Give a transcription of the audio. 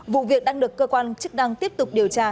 vụ việc đang được cơ quan chức năng tiếp tục điều tra